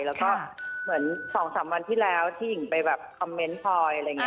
แล้วก็๒๓วันที่แล้วที่หญิงไปคอมเมนต์พลอย